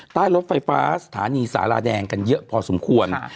รถไฟฟ้าสถานีสาราแดงกันเยอะพอสมควร